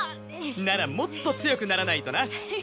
ならもっと強くならないとな。